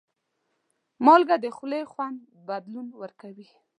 مالګه د خولې خوند بدلون ورکوي.